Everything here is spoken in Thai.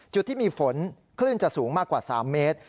จุดที่มีฝนคลื่นจะสูงมากกว่า๓เมตร